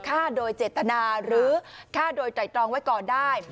ฆ่าโดยเจตนาหรือฆ่าโดยไตรตรองไว้ก่อนได้